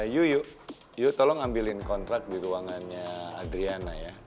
yuk yuk tolong ambilin kontrak di ruangannya adriana ya